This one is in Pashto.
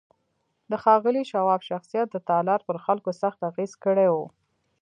د ښاغلي شواب شخصيت د تالار پر خلکو سخت اغېز کړی و.